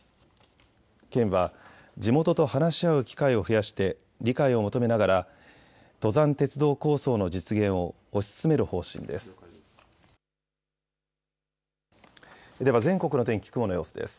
県は地元と話し合う機会を増やして理解を求めながら登山鉄道構想の実現を推し進める方針です。